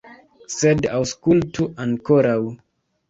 Sed aŭskultu ankoraŭ.